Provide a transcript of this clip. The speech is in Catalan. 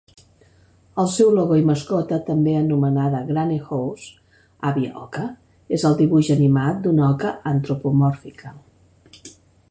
El seu logo i mascota, també anomenada Granny Goose (Àvia Oca), és el dibuix animat d'una oca antropomòrfica.